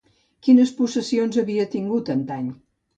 Quines possessions havia tingut antany?